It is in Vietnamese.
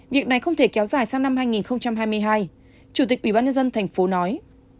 việc này không thể kéo dài sang năm hai nghìn hai mươi hai chủ tịch ubnd thành phố nói